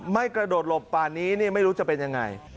ไม่กระโดดหลบป่านนี้ไม่รู้จะเป็นอย่างไร